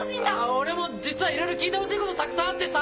俺も実はいろいろ聞いてほしいことたくさんあってさ。